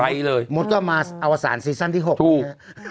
ไปเลยแต่หมดก็มาอวสารซีสันที่๖เนี่ย